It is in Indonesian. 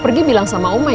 pergi bilang sama oma ya